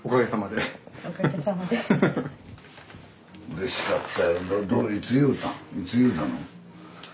うれしかったやろ。